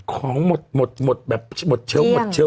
ของหมดแบบหมดเชี่ยวเลยอ่ะ